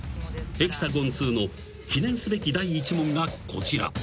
［『ヘキサゴンⅡ』の記念すべき第１問がこちら］